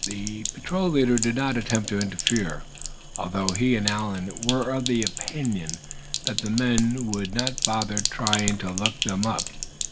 The patrol leader did not attempt to interfere, although he and Allan were of the opinion that the men would not bother trying to look them up.